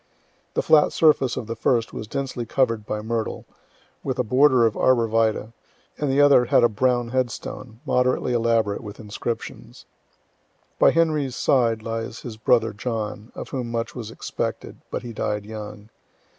The flat surface of the first was densely cover'd by myrtle, with a border of arbor vitae, and the other had a brown headstone, moderately elaborate, with inscriptions. By Henry's side lies his brother John, of whom much was expected, but he died young.